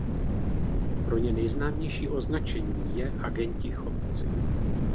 Pro ně nejznámější označení je agenti chodci.